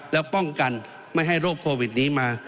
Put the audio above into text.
แล้วป้องกันไม่ให้โรคโควิดนี้มา